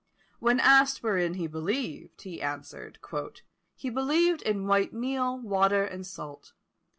When asked wherein he believed, he answered, "He believed in white meal, water, and salt.